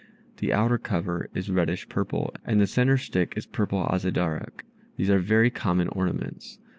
The outer cover is reddish purple, and the centre stick is purple Azedarach. These are very common ornaments.